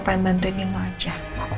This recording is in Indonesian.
pengen bantuin nino aja